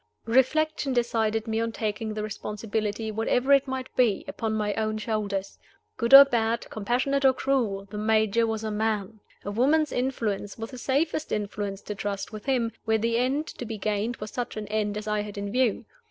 Reflection decided me on taking the responsibility, whatever it might be, upon my own shoulders. Good or bad, compassionate or cruel, the Major was a man. A woman's influence was the safest influence to trust with him, where the end to be gained was such an end as I had in view.